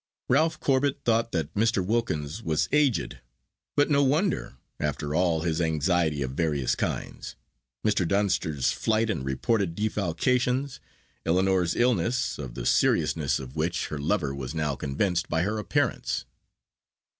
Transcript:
Ralph Corbet thought that Mr. Wilkins was aged; but no wonder, after all his anxiety of various kinds: Mr. Dunster's flight and reported defalcations, Ellinor's illness, of the seriousness of which her lover was now convinced by her appearance.